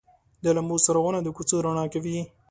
د لمبو څراغونه د کوڅو رڼا کوي.